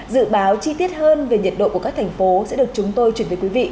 dự báo chi tiết hơn về nhiệt độ của các thành phố sẽ được chúng tôi chuyển tới quý vị